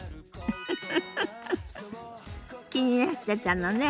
フフフフ気になってたのね。